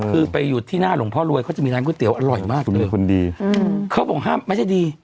คือไปอยู่ที่หน้าหลวงพ่อรวยเขาจะมีร้านก๋วยเตี๋ยวอร่อยมากเลยเขาบอกไม่ใช่ดี